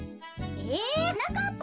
えはなかっぱ